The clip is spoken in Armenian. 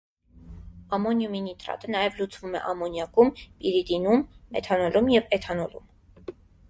Ամոնիումի նիտրատը նաև լուծվում է ամոնիակում, պիրիդինում, մեթանոլում և էթանոլում։